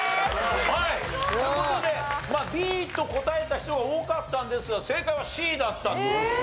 はいという事でＢと答えた人が多かったんですが正解はＣだった。